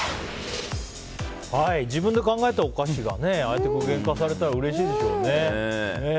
自分で考えたお菓子がああやって具現化されたらうれしいでしょうね。